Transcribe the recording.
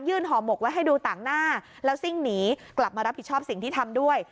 ห่อหมกไว้ให้ดูต่างหน้าแล้วซิ่งหนีกลับมารับผิดชอบสิ่งที่ทำด้วย